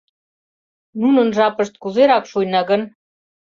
Нунын жапышт кузерак шуйна гын?